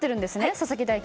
佐々木大地